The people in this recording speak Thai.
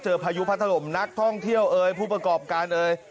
พายุพัดถล่มนักท่องเที่ยวเอ่ยผู้ประกอบการเอ่ย